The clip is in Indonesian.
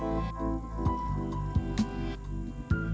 apakah kemampuan pemerintahan ini akan menjadi kemampuan pemerintahan